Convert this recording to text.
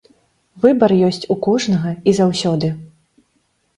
Выбар ёсць у кожнага і заўсёды.